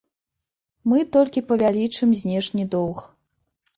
Мы толькі павялічым знешні доўг.